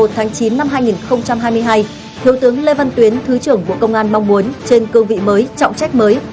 thiếu tướng lê văn tuyến thứ trưởng bộ công an mong muốn trên cương vị mới trọng trách mới